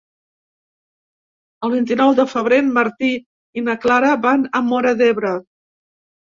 El vint-i-nou de febrer en Martí i na Clara van a Móra d'Ebre.